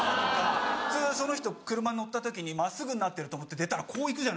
その人車乗った時に真っすぐになってると思って出たらこう行くじゃないですか。